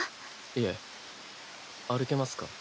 いえ歩けますから。